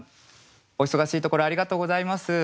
お忙しいところありがとうございます。